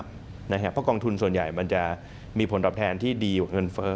เพราะกองทุนส่วนใหญ่มันจะมีผลตอบแทนที่ดีกว่าเงินเฟ้อ